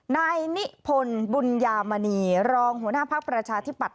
นายนิพนธ์บุญญามณีรองหัวหน้าภักดิ์ประชาธิปัตย